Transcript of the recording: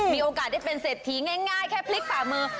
มีโอกาสได้เป็นเศรษฐีง่ายแค่พลิกฝ่ามือ